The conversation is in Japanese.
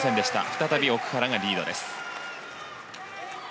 再び奥原がリードです。